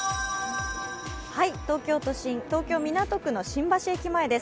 東京都心、東京・港区の新橋駅前です。